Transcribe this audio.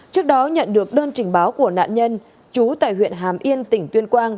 trước đó nhận được đơn trình báo của nạn nhân trú tại huyện hàm yên tỉnh tuyên quang